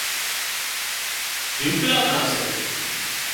جُوڪلم نان سي